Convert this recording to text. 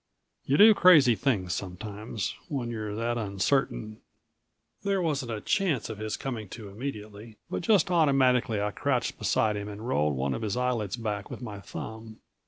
You do crazy things, sometimes, when you're that uncertain. There wasn't a chance of his coming to immediately, but just automatically I crouched beside him and rolled one of his eyelids back with my thumb.